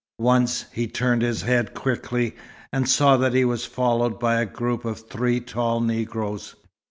Once, he turned his head quickly, and saw that he was followed by a group of three tall Negroes.